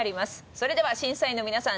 それでは審査員の皆さん